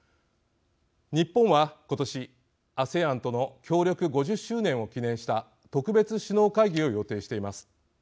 日本は今年ＡＳＥＡＮとの協力５０周年を記念した特別首脳会議を予定しています。